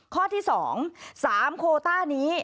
ข้อที่๒สามโควต้านี้